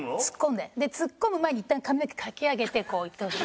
でツッコむ前にいったん髪の毛かき上げてこういってほしい。